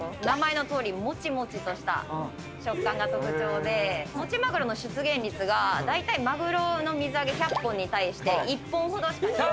名前のとおりもちもちとした食感が特徴でもち鮪の出現率がだいたい鮪の水揚げ１００本に対して１本ほどしか。